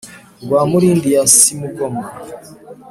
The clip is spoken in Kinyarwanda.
rwa mirindi ya simugomwa